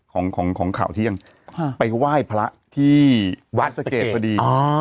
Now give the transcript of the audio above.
ของของของข่าวเที่ยงฮะไปไหว้พระที่วัดประเกตพอดีอ๋อ